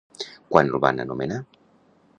Com el van anomenar?